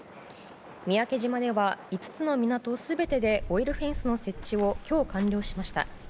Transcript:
三宅島では５つの港全てでオイルフェンスの設置を今日、完了しました。